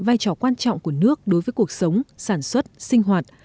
nhiều giải pháp quan trọng của nước đối với cuộc sống sản xuất sinh hoạt